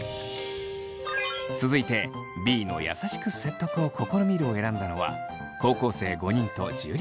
続いてＢの「優しく説得を試みる」を選んだのは高校生５人と樹。